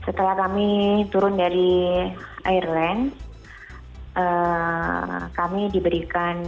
setelah kami turun dari airline kami diberikan